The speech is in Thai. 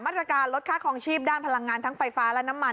ตรการลดค่าครองชีพด้านพลังงานทั้งไฟฟ้าและน้ำมัน